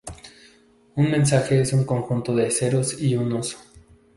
Un mensaje es un conjunto de ceros y unos.